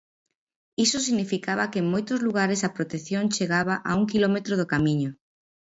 Iso significaba que en moitos lugares a protección chegaba a un quilómetro do Camiño.